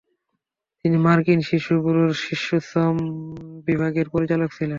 তিনি মার্কিন শিশু ব্যুরোর শিশুশ্রম বিভাগের পরিচালক ছিলেন।